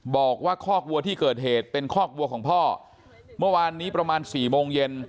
บอกว่าคอกวัวที่เกิดเหตุเป็นคอกวัวของพ่อเมื่อวานนี้ประมาณสี่โมงเย็น